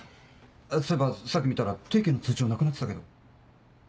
そういえばさっき見たら定期の通帳なくなってたけど。